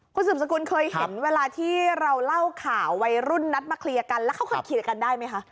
คุณสืบสกุลเคยเห็นเวลาที่เราเล่าข่าววัยรุ่นนัดมาเคลียร์กันแล้วค่อยเคลียร์กันได้ไหมคะ